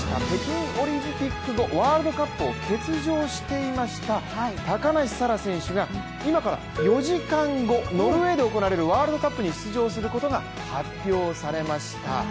北京オリンピック後、ワールドカップを欠場していました高梨沙羅選手が今から４時間後、ノルウェーで行われるワールドカップに出場することが発表されました。